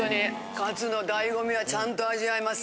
カツの醍醐味はちゃんと味わえます。